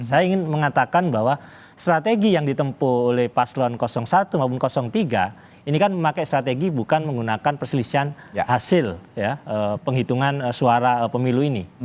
saya ingin mengatakan bahwa strategi yang ditempuh oleh paslon satu maupun tiga ini kan memakai strategi bukan menggunakan perselisihan hasil penghitungan suara pemilu ini